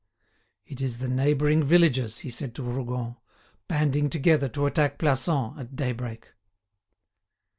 "It is the neighbouring villages," he said to Rougon, "banding together to attack Plassans at daybreak."